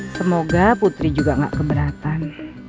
semoga putri juga gak keberatan